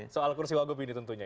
soal kursi wagub ini tentunya